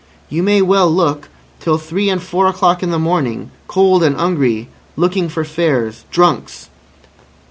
"You may well look! Till three and four o'clock in the morning. Cold and 'ungry. Looking for fares. Drunks."